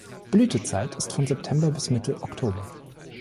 Blütezeit ist von September bis Mitte Oktober.